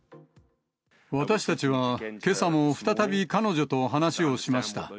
私たちは、けさも再び彼女と話をしました。